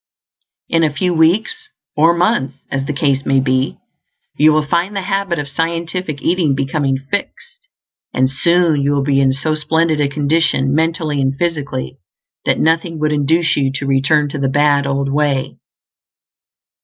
In a few weeks, or months, as the case may be, you will find the habit of scientific eating becoming fixed; and soon you will be in so splendid a condition, mentally and physically, that nothing would induce you to return to the bad old way.